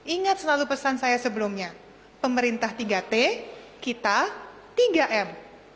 ingat selalu pesan saya sebelumnya pemerintah tiga t kita tiga m